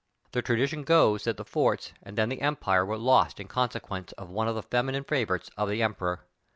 The tradition goes that the forts and then the empire were lost in consequence of one of the feminine favorites of the emperor.